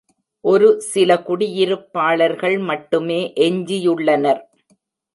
ஒரு சில குடியிருப்பாளர்கள் மட்டுமே எஞ்சியுள்ளனர்.